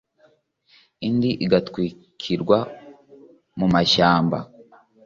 indi igatwikirwa mu mashyamba